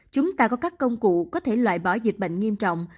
chúng ta có các công cụ có thể loại bỏ dịch bệnh nghiêm trọng